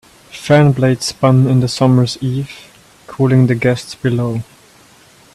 Fan blades spun in the summer's eve, cooling the guests below.